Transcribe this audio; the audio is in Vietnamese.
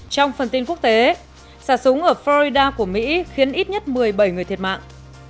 trong phần tin quốc tế xả súng ở florida của mỹ khiến ít nhất một mươi bảy người thiệt mạng